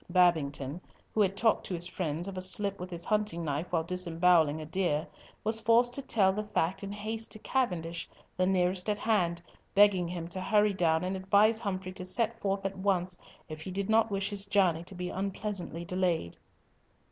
Babington, who had talked to his friends of a slip with his hunting knife while disembowelling a deer, was forced to tell the fact in haste to Cavendish, the nearest at hand, begging him to hurry down and advise Humfrey to set forth at once if he did not wish his journey to be unpleasantly delayed.